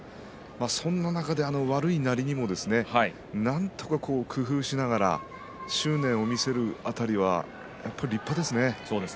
そんな中で悪いなりにもなんとか工夫しながら執念を見せる辺りはやっぱり立派ですね。